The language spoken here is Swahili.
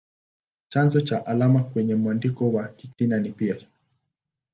Chanzo cha alama kwenye mwandiko wa Kichina ni picha.